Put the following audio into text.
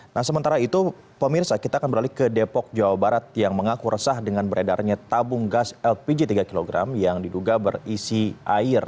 nah sementara itu pemirsa kita akan beralih ke depok jawa barat yang mengaku resah dengan beredarnya tabung gas lpg tiga kg yang diduga berisi air